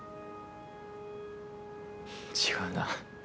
違うな。